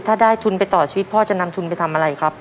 ถ้าได้ทุนไปต่อชีวิตพ่อจะนำทุนไปทำอะไรครับ